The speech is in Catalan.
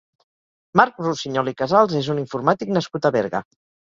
Marc Rossinyol i Casals és un informàtic nascut a Berga.